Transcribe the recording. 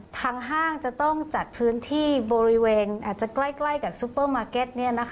ห้างจะต้องจัดพื้นที่บริเวณอาจจะใกล้กับซุปเปอร์มาร์เก็ต